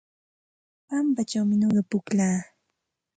Pampachawmi nuqa pukllaa.